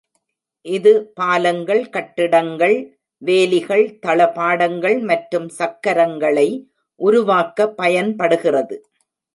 இது பாலங்கள், கட்டிடங்கள், வேலிகள், தளபாடங்கள் மற்றும் சக்கரங்களை உருவாக்க பயன்படுகிறது.